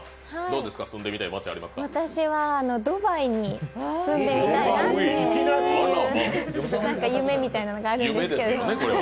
私はドバイに住んでみたいなっていう何か夢みたいなものがあるんですけど。